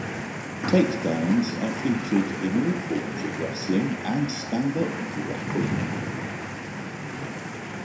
Takedowns are featured in all forms of wrestling and stand-up grappling.